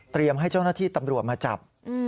ให้เจ้าหน้าที่ตำรวจมาจับ